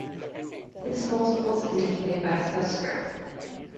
This multiple is indicated by a subscript.